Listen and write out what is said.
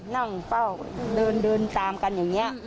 นั่งเฝ้าเดินตามกันอย่างนี้